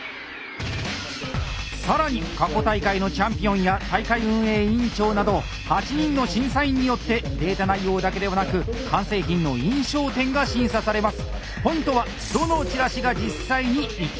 更に過去大会のチャンピオンや大会運営委員長など８人の審査員によってデータ内容だけではなく完成品の印象点が審査されます。